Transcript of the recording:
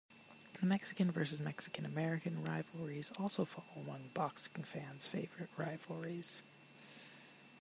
The Mexican versus Mexican-American rivalries also fall among boxing fans' favorite rivalries.